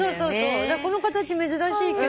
この形珍しいけどね。